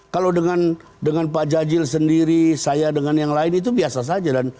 kalau dengan pak jajil sendiri saya dengan yang lain itu biasa saja